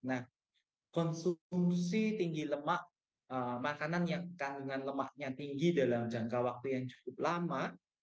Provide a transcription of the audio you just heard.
nah konsumsi tinggi lemak makanan yang kandungan lemaknya tinggi dalam jangka waktu yang cukup lama